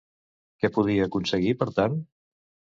Què podia aconseguir, per tant?